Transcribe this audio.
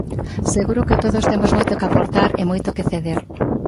Seguro que todos temos moito que aportar e moito que ceder.